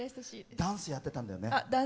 ダンスやってたんだよね。